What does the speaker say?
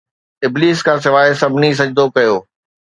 ابليس کان سواءِ سڀني سجدو ڪيو